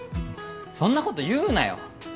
そんなこと言うなよ